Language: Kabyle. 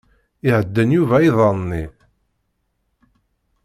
Ihedden Yuba iḍan-nni.